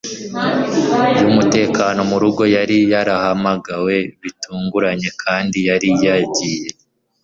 y'umutekano murugo, yari yarahamagawe bitunguranye kandi yari yagiye